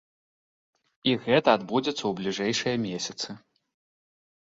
І гэта адбудзецца ў бліжэйшыя месяцы.